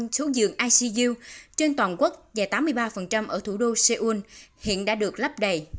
sáu mươi chín số dường icu trên toàn quốc và tám mươi ba ở thủ đô seoul hiện đã được lắp đầy